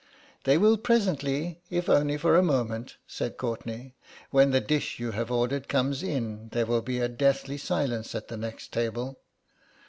"They will presently, if only for a moment," said Courtenay; "when the dish you have ordered comes in there will be a deathly silence at the next table.